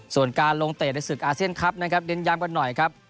ส่วนการลงเตะในศึกอาเซียนคลับนะครับเน้นย้ำกันหน่อยครับ